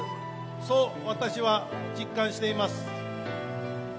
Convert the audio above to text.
そう、私は実感しています。